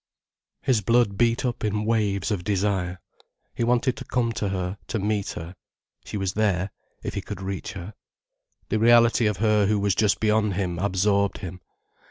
His blood beat up in waves of desire. He wanted to come to her, to meet her. She was there, if he could reach her. The reality of her who was just beyond him absorbed him.